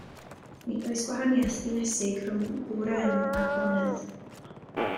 Nid oes gwahaniaeth dinesig rhwng gwreng a bonedd.